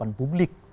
di depan publik